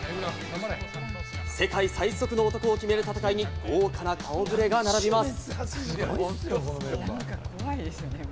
世界最速の男を決める戦いに豪華な顔触れが並びます。